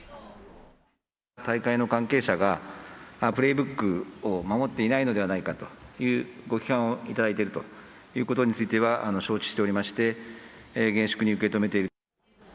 大会の関係者が、プレイブックを守っていないのではないかという、ご批判をいただいているということについては承知しておりまして、厳粛に受け止めている。